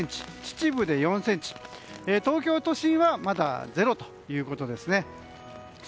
秩父で４ｃｍ、東京都心はまだ０ｃｍということですね。